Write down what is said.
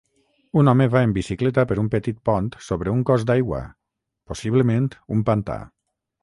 Un home va en bicicleta per un petit pont sobre un cos d'aigua possiblement un pantà